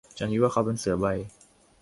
ฉันคิดว่าเขาเป็นเสือใบ